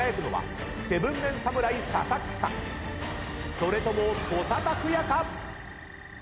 それとも土佐卓也か？